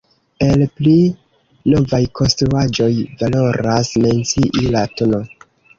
El pli novaj konstruaĵoj valoras mencii la tn.